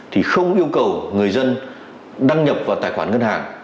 thì không yêu cầu người dân đăng nhập vào tài khoản ngân hàng